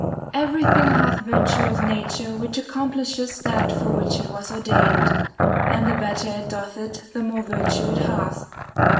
Everything hath virtue of nature which accomplishes that for which it was ordained ; and the better it doth it the more virtue it hath.